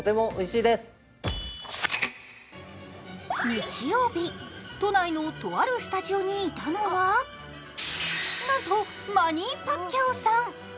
日曜日、都内のとあるスタジオにいたのは、なんと、マニー・パッキャオさん。